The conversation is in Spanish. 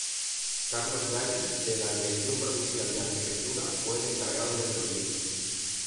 Carlos Galli, de la Dirección Provincial de Arquitectura, fue el encargado del proyecto.